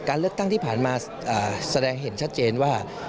เลือกตั้งที่ผ่านมาแสดงเห็นชัดเจนว่า